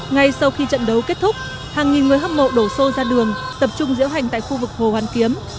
ngay sau khi trận đấu kết thúc hàng nghìn người hâm mộ đổ xô ra đường tập trung diễu hành tại khu vực hồ hoàn kiếm